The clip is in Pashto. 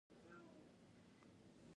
_چا نه و درته ويلي!